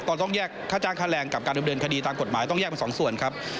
ต้องแยกค่าจ้างค่าแรงกับการดำเนินคดีตามกฎหมายต้องแยกเป็นสองส่วนครับ